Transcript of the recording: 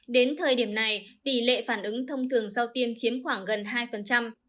đến thời điểm này tỷ lệ phản ứng thông thường sau tiêm chiếm khoảng gần hai